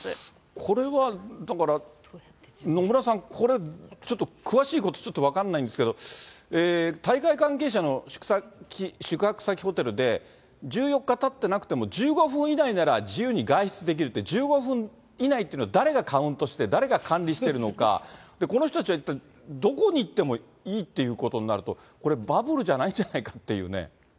これはだから野村さん、これちょっと詳しいこと、ちょっと分かんないんですけど、大会関係者の宿泊先ホテルで、１４日たってなくても、１５分以内なら自由に外出できるって１５分以内ってのは、誰がカウントして誰が管理しているのか、この人たちは一体、どこに行ってもいいっていうことになると、これバブルじゃないじゃないかっていうね。